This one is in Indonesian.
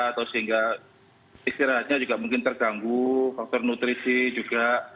atau sehingga istirahatnya juga mungkin terganggu faktor nutrisi juga